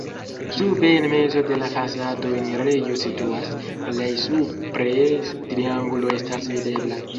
Sube en mezo de la fasado enirejo situas, plej supre triangulo estas videbla.